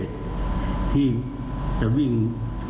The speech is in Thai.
ก็จะจัดกรรมรักษ์ควบคุมน้ำหนักของกลุ่มหลวง